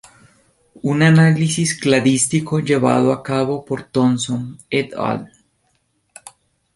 Un análisis cladístico llevado a cabo por Thompson "et al.